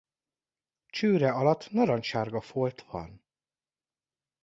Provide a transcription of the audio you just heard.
Csőre alatt narancssárga folt van.